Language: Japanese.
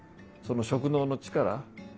その職能の力